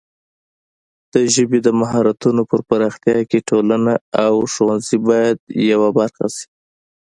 د ژبې د مهارتونو پر پراختیا کې ټولنه او ښوونځي باید یوه برخه شي.